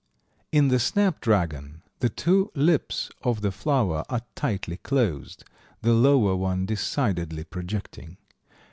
In the snapdragon the two lips of the flower are tightly closed, the lower one decidedly projecting.